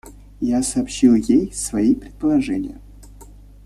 Я сообщил ей свои предположения.